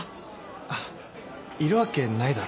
あっいるわけないだろ。